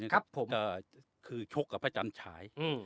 ทับใจเนี่ยครับผมคือชกกับพระจันทรายอืม